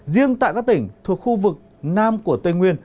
riêng tại các tỉnh thuộc khu vực nam của tây nguyên